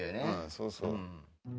そうそう。